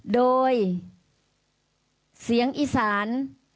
โดยเสียงอีสาน